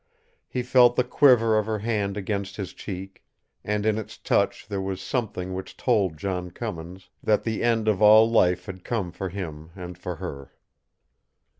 He felt the quiver of her hand against his cheek, and in its touch there was something which told John Cummins that the end of all life had come for him and for her.